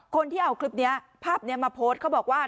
คนที่เอาคลิปนี้ภาพนี้มาโพสต์เขาบอกว่า